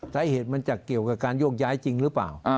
สาเหตุมันจะเกี่ยวกับการโยกย้ายจริงหรือเปล่า